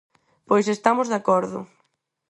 Pois estamos de acordo.